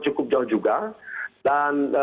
cukup jauh juga dan